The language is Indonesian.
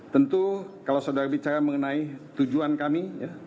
tentu kalau saudara bicara mengenai tujuan kami